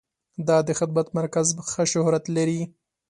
دا د خدمت مرکز ښه شهرت لري.